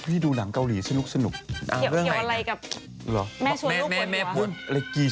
ทั้งหมดมาหนังเกาหลีเฉียนเลย